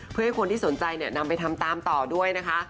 เพื่อให้คนที่สนใจนำไปทำตามต่อด้วยนะคะ